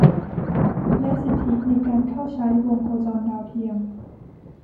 และสิทธิในการเข้าใช้วงโคจรดาวเทียม